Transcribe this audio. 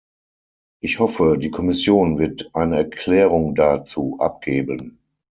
Ich hoffe, die Kommission wird eine Erklärung dazu abgeben.